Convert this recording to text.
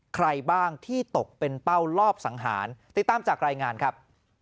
ใครบ้างที่ตกเป็นเป้าลอบสังหารติดตามจากรายงานครับ